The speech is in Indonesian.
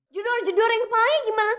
judor judor yang kepala gimana